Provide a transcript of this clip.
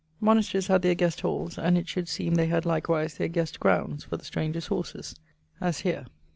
Monasterys had their guest halls; and it should seeme they had likewise their guest grounds for the strangers' horses: as here.